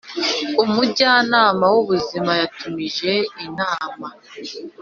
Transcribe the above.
umujyanama w’ubuzima yatumije inama